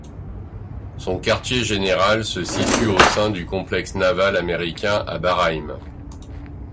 Son quartier général se situe au sein du complexe naval américain à Bahreïn.